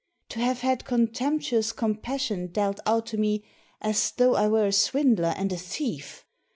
To have had contemptuous compassion dealt out to me as though I were a swindler and a thief!